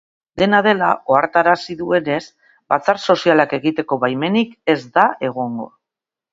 Dena dela, ohartarazi duenez, batzar sozialak egiteko baimenik ez da egongo.